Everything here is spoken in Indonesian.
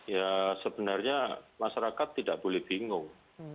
ya sebenarnya masyarakat tidak boleh bingung